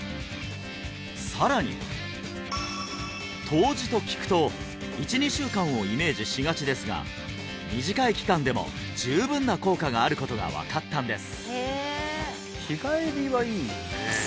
さらに湯治と聞くと１２週間をイメージしがちですが短い期間でも十分な効果があることが分かったんです